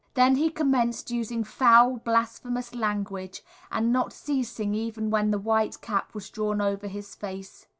Then he commenced using foul, blasphemous language, and not ceasing even when the white cap was drawn over his face.